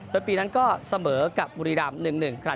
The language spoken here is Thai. ด้วยปีนั้นก็เสมอกับบุรีดำ๑๑